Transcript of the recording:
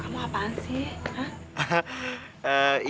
kamu apaan sih